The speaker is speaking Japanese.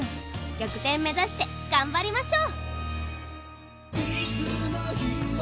逆転目指して頑張りましょう。